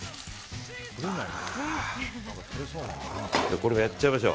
これもやっちゃいましょう。